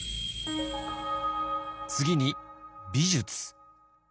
次に美術。